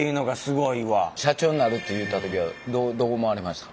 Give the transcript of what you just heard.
社長になるって言うた時はどう思われましたか？